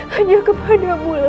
hanya kepadamu lah